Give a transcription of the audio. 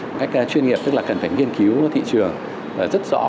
một cách chuyên nghiệp tức là cần phải nghiên cứu thị trường rất rõ